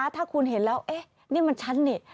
ถ้าคุณเห็นแล้วนี่มันฉันเนี่ย